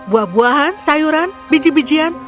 buah buahan sayuran biji bijian